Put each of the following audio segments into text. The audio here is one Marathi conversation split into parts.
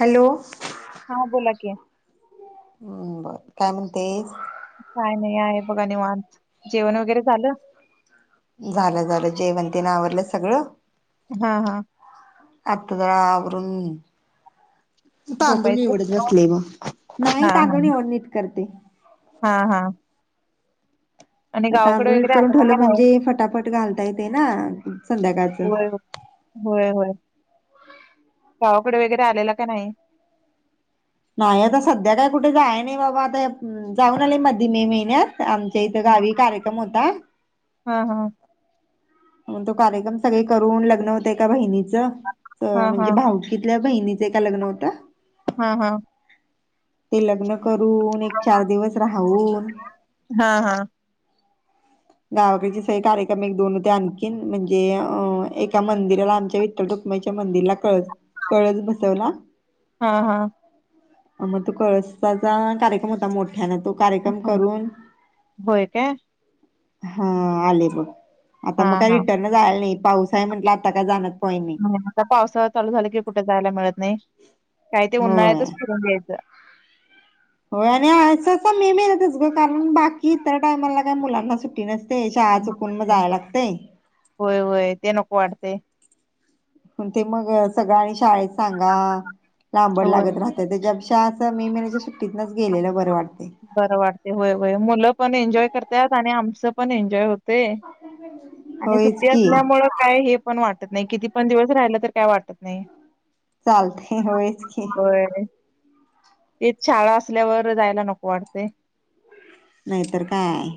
हॅलो..... हा बोला की... हम्म बरं,..... काय म्हणतेस? काय नाही, आहे बघा निवांत जेवण वगैरे झालं? झालं- झालं जेवण आणि तेआवरलं सगळं.... हा- हा.... आत जरा आवरून..... तांदूळ झोपायचं निवडत बसले मग, नाही हा हा तांदूळ निवडणीत करते.... हा हा.... आणि गावाकडे तांदूळणीट वगैरे करून आलेला ठेवलं का नाही म्हणजे फटाफट घालता येते ना संध्याकाळचं.... होय होय होय गावाकडे वगैरे आलेला का नाही.... नाही आता सध्या काय कुठे जाय नाही बाबा आता जाऊन आले मधी मे महिन्यात.... आमच्या इथं हा गावी कार्यक्रम होता... हा हा.... मग तो कार्यक्रम सगळे करून लग्न होत एका बहिणीच हा म्हणजे हा भाऊकीतल्या बहिणी.... जे का लग्न होतं.... हा- हा.... ते लग्न करून एक चार दिवस राहून.... हा- हा.... गावाकडीचे स कार्यक्रम एक दोन होते आणखी म्हणजे अ एका मंदिराला आमच्या... विठल रखुमाई च्या मंदिरला कळस बसवला..... हा -हा... अ मग तो कळसाचा कार्यक्रम होता मोठा तो कार्यक्रम होय करून...... होय काय? हा आले बघ आता हा मग काय हा रिटर्न जायला नाही., पाऊस आहे. म्हटलं, आता काय जाण्यात पॉईंट नाही.... आता पावसाळा चालू झाला कि कुठे जायला मिळत नाही, काही ते होय उन्हाळतच करून द्यायचं.... होय आणि असं मे मध्येच ग, कारण, बाकी इतर टायमाला काय मुलांना सुट्टी मिळत नाही...... नसते, मग शाळा चुकून मग जायला लागते..... होय -होय, ते नको वाटते.... ते मग सगळ, आणि शाळेत सांगा....... लांबड होय लागत राहत.... त्याच्यापेक्षा असं मे महिन्याच्या सुट्टीनच गेलेला बरे वाटते.... बरं वाटते होय- होय मुलं पण एन्जॉय करतात. आणि आमचं पण एन्जॉय होत..... ते आणि होयच सुट्टी की असल्यामुळे.... काय हे पण वाटत नाही किती पण दिवस राहिलं तर काय वाटत नाही.... चालते होयच की बरं.... ते शाळा असल्यावर जायला नको वाटते.... नाहीतर काय....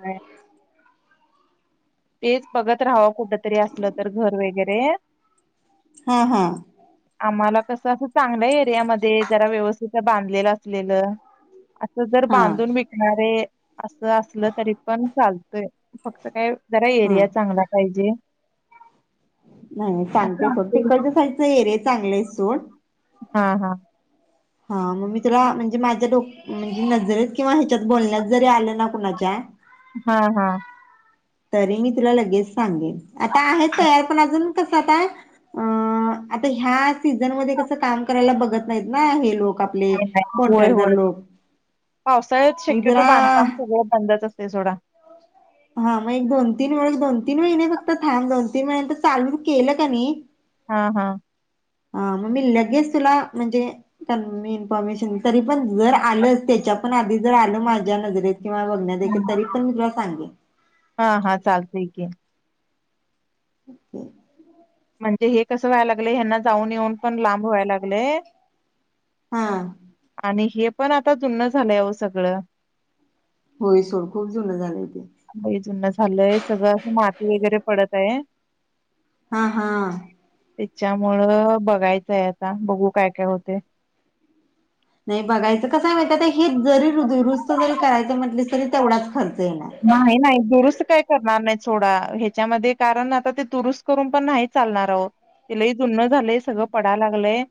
हम...... तेच बघत राहावं कुठ तरी असलं तर घर वगैरे हा -हा..... आम्हाला कसं असं चांगल्या एरियामध्ये जरा व्यवस्थित बांधलेलं असलेलं असं जर हा बांधून विकणारे असं असलं तरी पण चालतय फक्त काय जरा हा एरिया चांगला पाहिजे. नाय सांगते असं फक्त तिकडं च्या साईडचं एरिया चांगले आहे सोड. हा हा. हा मग मी तुला म्हणजे माझ्या डोक् म्हणजे नजरेत किंवा ह्याच्यात बोलण्यात जरी आलं ना कुणाच्या हा हा. तरी मी तुला लगेच सांगेन आता आहेत तयार पण अजून कसं आता अ आता ह्या सिझन मध्ये कसं काम करायला बघत नाहीत ना हे लोक आप नाही नाय होय होय. पावसाळ्यात एक शक्यतो जरा बांधकाम सगळ बंदचं असतय सोडा. हा मगं एक दोन तीन महिने फक्त थांब दोन तीन महिन्यांत चालू केलं का नी -. - हा हा. ह मगं मी लगेच तुला म्हणजे मी इन्फॉर्मेशन तरी पण जर आलं त्याच्या पण आधी जर आलं माझ्या नजरेत किंवा बघण्या देखील तरी पण मी तुला सांगीण. हा हा चालतंय की, [unintelligible] म्हणजे हे कसं व्हायला लागलंय यांना जाऊन येऊन पण लांब व्हाया लागलय हा आणि हे पण आता जुनं झालंय हो सगळं होय सोड खूप जुनं झालंय ते लय जुन झालय सगळं, असं माती वगैरे पडत आहे. हा हा त्याच्यामुळं बघायचंय आता बघू काय काय होतय. नाही बघायचं कसं हाय माहितीये का जरी दुरुस्त जरी करायचं म्हटलीस तरी तेवढाचं खर्च येणार. नाही नाही दुरुस्त काय करणार नाही सोडा ह्याच्यामध्ये कारण आता ते दुरुस्त करून पण नाही चालणार आहो. ते लय जुनं झालंय सगळं पडायंला लागलंय.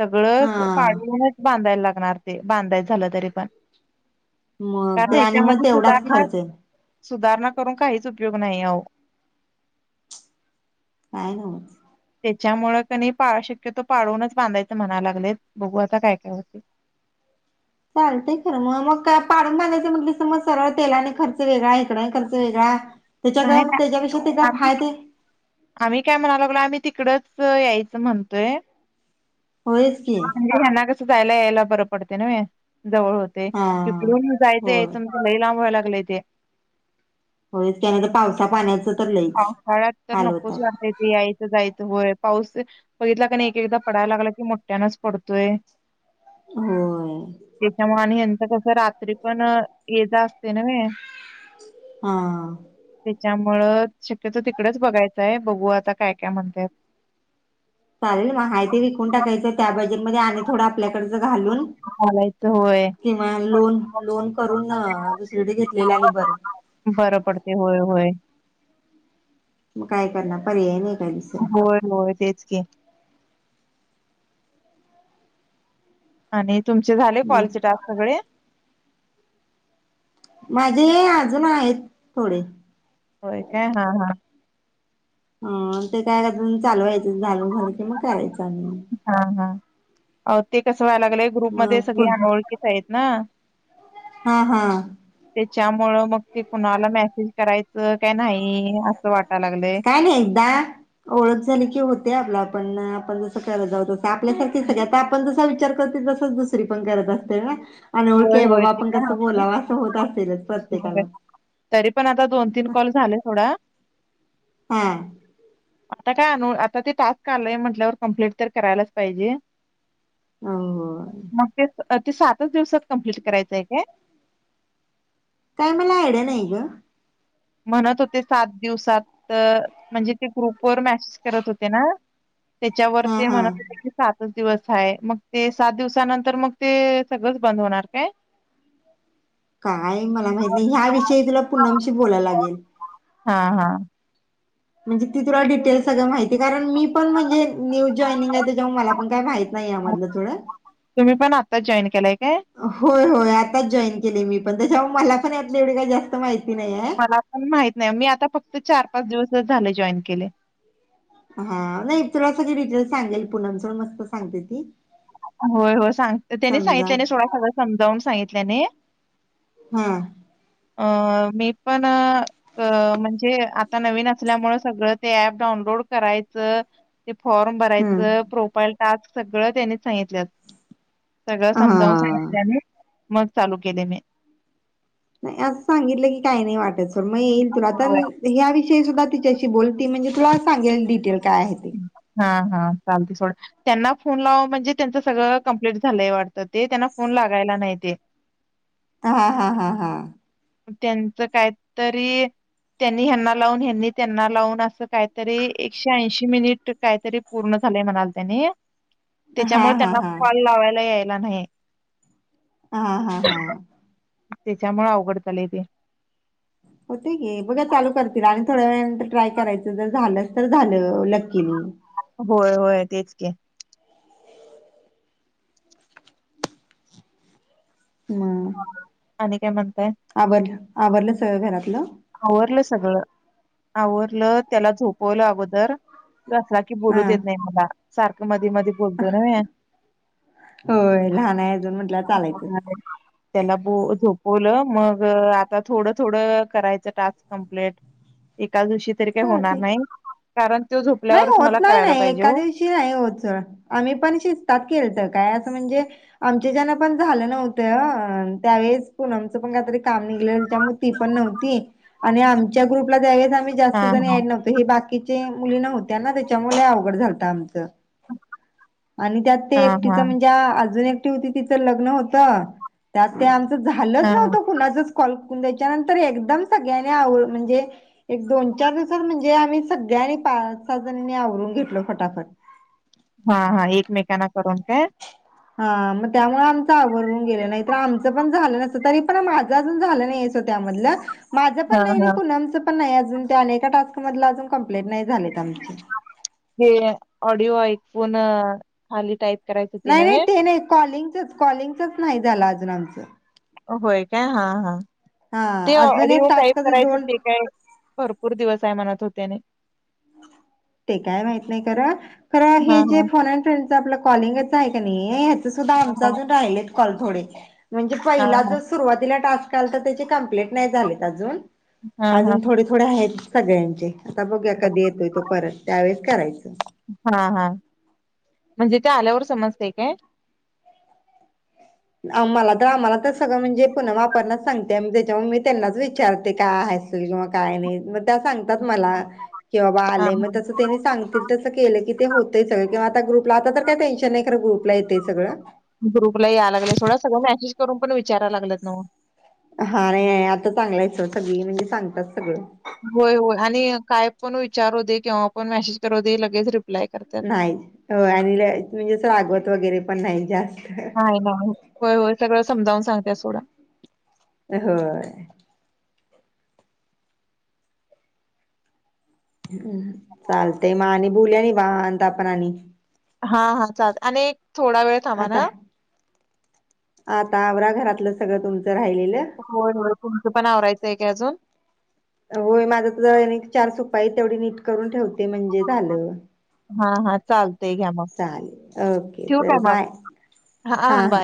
सगळं हा पाडूनच बांधायला लागणार ते बांधायचं झालं तरी पण. मगं कारण ते आणि मगं ह्याच्यामध्ये तेवढाचं सुधारणा खर्च येणार. सुधारणा करून काहीचं उपयोग नाही आहो. नाय ना व्हतं. त्याच्यामुळ कनय पा शक्यतो पाडूनच बांधायचं म्हणाय लागलेत बघू आता काय काय होते. चालतयं खरं मग मग का पाडून बांधयचं म्हटलंस मग सरळ तेला नी खर्च वेगळा इकडा खर्च वेगळा त्याच्या ग नाही नाही त्याच्यापेक्षा ते गप आम्ही हाय ते आम्ही काय म्हणायला लागलो आम्ही तिकडं यायचं म्हणतोय. होयच की म्हणजे ह्यांना कसं जायला यायला बरं पडतय ना जवळ होतं हा इकडून जायचं होय यायचं म्हंटल्यावर लई लांब व्हायला लागलंय ते होय त्यानंतर पावसा पाण्याचं तर लईच पावसाळ्यात तर हाल होतात. नकोचं वाटतं ते यायचं जायचं होय पाऊस बघितला एक एकदा पडायला लागला कि मोठ्यानचं पडतोयं. होय. त्याच्यामुळे आणि ह्याचं कसं रात्री पण ये जा असते ना हे हा. त्याच्यामुळं शक्यतो तिकडंचं बघायचंय बघू आता काय काय म्हणतायंत. चालेल मग ते विकून टाकायचं त्या बजेट मध्ये आणि थोडं आपल्याकडचं घालून घालायचं होय. किंवा लोन लोन करून दुसरीकडे घेतलेला आणि बरं बरं पडतय होय होय. मग काय करणार पर्याय नाय काहीच होय होय तेच की, आणि तुमचे झाले. मग कॉलचे टास्क सगळे. माझे अजून आहेत. थोडे. होय काय हा हा. हा ते काय कर चालूवायचं झालून झालं कि, मग करायचं आम्ही. हा हा ते कसं व्हायला लागलंय मग ग्रुपमध्येध्ये सगळी पण आवळखीच आहेत ना. हा हा. त्याच्यामुळ मग ते कुणाला मेसेज करायचं, काय नाही असं वाटाय लागलंय. आणि एकदा ओळख झाली की होते आपला आपण आपण जस करत जाऊतस आपल्यासारखी सगळ आता आपण जसा विचार तच दुसरी पण करत असते ना. अनोळखी होय, आहे होय बाबा, ते आपण पण कसं आहे सोडा. बोलावं असं होत असेलच होय. प्रत्येकाला. तरी पण आता दोन तीन कॉल झाले थोडा. हा. आता काय आणू आता ते टास्क आलय म्हटल्यावर कम्प्लीट तर करायलाच पाहिजे. होहोह.. मग ते ते सातच दिवसात कंप्लीट करायचंय काय? काय मला आयड्या नाही ग. म्हणतं होते सात दिवसात म्हणजे ते ग्रुप वर मॅचेस करतं होते ना. त्याच्यावर हा ते हा म्हणतं होते. सातच दिवसआहे, मग ते सात दिवसानंतर मग ते सगळंचं बंद होणार काय? काय मला माहित नाही ह्याविषयी तुला पुनमशी बोलायला लागेल. हा. हा. म्हणजे ती तुला डिटेल सगळं माहिती कारण मी पण म्हणजे न्यू जॉईनिंग आहे. त्याच्यामुळे मला पण काय माहिती नाही यामधलं थोडं. तुम्ही पण आता जॉईन केलाय काय? होय होय आताच जॉईन केले मी पण, त्याच्यावर मला पण यातले एवढी काही जास्त माहिती नाही आहे. ला पण माहित नाही मी आता फक्त चार पाच दिवसच झाले जॉईन केले. हा नाही तुला सगळी डिटेल सांगेल पुनम सोड मस्त सांगते ती. होय हो सांग त्यानी समजा सांगितल्याने थोडा सगळं समजावून सांगितल्याने. हा. अ मी प ना अ म्हणजे आता नवीन असल्यामुळे सगळं ते ऍप डाऊनलोड करायचं, ते फॉर्म हम्म भरायचं, प्रोफाईल टास्क सगळं त्यांनी सांगितलं. सगळं हा समजावून सांगितल्याने मग चालू केले मी. नाही असं सांगितलं की काही नाही वाटाय सर मग येईल तुला तर होय. या विषयी सुद्धा तिच्याशी बोलते म्हणजे तुला सांगेल डिटेल काय आहे ते. हा हा चालते थोड. त्यांना फोन लाव म्हणजे त्यांच सगळं कंप्लीट झालंय वाटतं ते त्यांना फोन लागायला नाही ते. हा हा हा हा... त्यांचं काहीतरी त्यांनी ह्यांना लावून ह्यांनी त्यांना लावून असं काहीतरी एकशे ऐंशी मिनिट काहीतरी पूर्ण झालंय म्हणाल त्यानी हा त्याच्यामुळे हा त्यान हा फोल लावायला यायला नाहि. हा हा हा. त्याच्यामु अवघड चालले ते. होते गे बघा चालू करतील आणि थोड्या वेळ नंतर ट्राय करायचं जर झालंस तर झालं लक्कीनी. होय होय तेच कि. हम्. आणि काय म्हणताय? आवर आवरडलं सगळं घरातलं. आवरलं सगळ आवरलं त्याला झोपवलं अगोदर. के हा बोलू देत नाही मला सारखं मध्ये मध्ये गबुधर हाय होय लहान आहे अजून म्हटलं चालायचं पुना काहितरी त्याला ब झोपवलं मग आता थोडं थोडं करायचं स् कंप्लीट एका दिवशी तरी काही होणार चालतंय नाही. कारण तो नाही झोपल्यावरच मला होत नाही करायला नाही पाहिजे एका हो दिवशी नाही होत आम्ही पण शजतात केल तर काय असं म्हणजे. आमच्या जना पण झालं नव्हतं त्यावेळेस पूनमचं पण काहीतरी काम निघलंमु पण न्ह आणि आमच्या ग्रुपला द जास्त हा ज हा ड नव्हतो हे बाकीचे मुली नव्हत्या ना त्याच्यामुळे अवघड झालतं आमच आणि त्यात ते हा एकटीच हा म्हणजे अजून एकटी होती तिचं लग्न होत. त्यात ते आमचं झालंच हा नव्हतं. कुणाचच कॉल करून द्यायच्या नंतर एकदम सगळ्यानी आवड म्हणजे एक दोन चार दिवसात म्हणजे आम्ही सगळ्यांनी पाच सात जणांनी आवरून घेतलो फटाफट. हा हा एकमेकांना करून काय हा मग त्यामुळे आमचं आवरून गेलं नाही तर आमचं पण झालं नसतं तरी पण माझं अजून झालं नाही. त्यामध माझं हा पण नाही आणि हा पुनमचं पण नाही अजून त्या अनेका टास्क मधलं अजून कंप्लीट नाही झालेत आमची हे ऑडिओ ऐकून खाली टाईप करायच नाही नाही ते नाही कॉलिंगचच कॉलिंगचच नाही झालं अजून आमचं होय काय हा हा हा ते अजून एक ऑडिओ टास्क साईब करायचं दोन ते काय भरपूर दिवस आहे म्हणत होतेने ते काय माहित नाही क ख हे हा जे फोन फ्रेंडशिप आमचं कॉलिंगच आहे का ह्याच सुद्धा आम हा हा अजून राहि कॉल थोडे म्हणजे हा पहिला हा जर सुरुवातीला टास्क आला तर त्याचे कमप्लीट नाही झालेत अजून हा हा अजून थोडे थोडे आहेत सगळ्यांचे आता बघया कधी येतोय तो परत त्यावेेळेस करायचं हा हा म्हणजे ते आल्यावर समजते काय म्हाला तर आम्हाला तर सगळं म्हणजे पुन्हा वापरण्यास सांगते त्याच्यामुळे मी त्यांनाच विचारते काय आहे. काय नाही मग त्या सगतात मला क बा हा आलेयग हा. त्या नी सांगतील तसं केलं की ते होतंय सगळ किंवा आता ग्रुपला आता तर काय टेन्शन नाही खरं ग्रुपला येतय सगळं ग्रुपला या लागले थोडं सगळं मेसेज करून पण विचारय लागत ना म हा नाही आहे आता चांगला आहे स सगळी म्हणजे सांगतात सगळं होय होय आणि काय पण विचारू दे केव्हा पण मेसेज करू दे लगेच रिप्लाय करत्यात. नाही हो आणि म्हणजे रागवत वगैरे पण नाही जास्त. ह ना. होय होय सगळं समावून सांगते सोडं, होय. हम्म चालत मा आणि बोलूया आणि वाहनता पण आणि हा हा चाल आणि थोडा वेळ थांबा आता ना, आता आवरा घरातलं सगळं तुमचं राहिलेलं. होय होय तुमचं पण आवरायचंय का अजून, होय माझा तर चार सुपाई तेवढी नीट करून ठेवते म्हणजे झालं. हा हा चालतय घ्या मग चालेल ओके ठेवू काय चल मग? बाय हा हा.